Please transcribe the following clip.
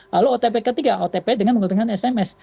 lalu otp ketiga otp dengan menggunakan sms